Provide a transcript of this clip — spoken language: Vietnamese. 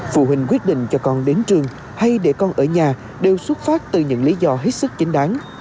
phụ huynh quyết định cho con đến trường hay để con ở nhà đều xuất phát từ những lý do hết sức chính đáng